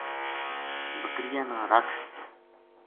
بکریاں نا رکھ